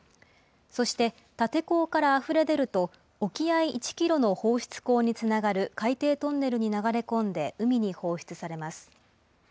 そして立て坑からあふれ出ると、沖合１キロの放出口につながる海底トンネルに流れ込んで、海に放出されます。